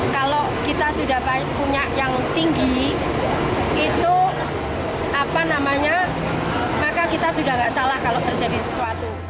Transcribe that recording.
kalau kita sudah punya yang tinggi itu apa namanya maka kita sudah tidak salah kalau terjadi sesuatu